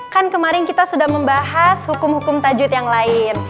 kan kemarin kita sudah membahas hukum hukum tajud yang lain